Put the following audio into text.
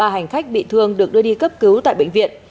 ba hành khách bị thương được đưa đi cấp cứu tại bệnh viện